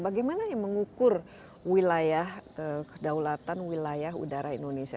bagaimana mengukur wilayah kedaulatan wilayah udara indonesia